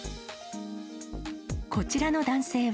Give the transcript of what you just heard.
こちらの男性は。